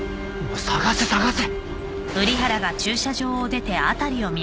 捜せ捜せ！